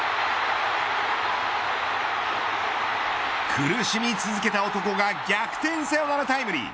苦しみ続けた男が逆転サヨナラタイムリー。